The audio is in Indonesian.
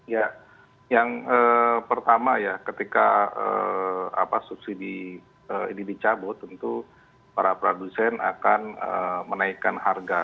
ya yang pertama ya ketika subsidi ini dicabut tentu para produsen akan menaikkan harga